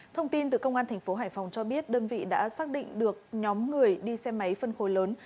thông tin từ công an tp hải phòng cho biết đơn vị đã xác định được nhóm người đi xe máy phân khối lớn